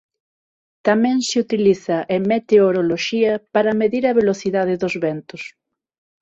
Tamén se utiliza en meteoroloxía para medir a velocidade dos ventos.